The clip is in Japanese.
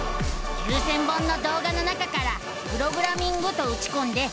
９，０００本の動画の中から「プログラミング」とうちこんでスクってみるのさ！